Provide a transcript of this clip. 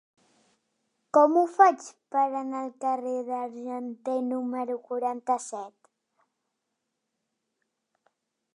Com ho faig per anar al carrer de l'Argenter número quaranta-set?